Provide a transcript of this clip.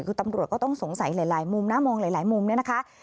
คือตำรวจก็ต้องสงสัยหลายมุมนะมองหลายมุมเนี่ยนะคะ